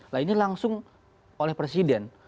nah ini langsung oleh presiden